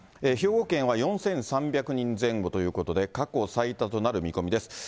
兵庫県は４３００人前後ということで、過去最多となる見込みです。